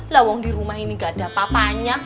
lawang di rumah ini gak ada apa apanya